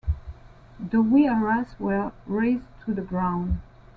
The Viharas were razed to the ground.